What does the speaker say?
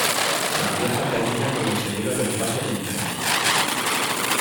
La pieza termina con el sonido del paso de un tren.